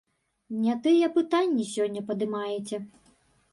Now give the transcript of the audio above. Не тыя пытанні сёння падымаеце.